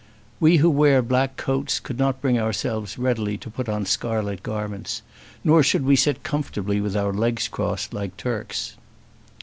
"We who wear black coats could not bring ourselves readily to put on scarlet garments; nor should we sit comfortably with our legs crossed like Turks."